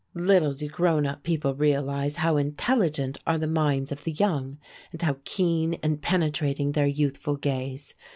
Little do grown up people realize how intelligent are the minds of the young, and how keen and penetrating their youthful gaze!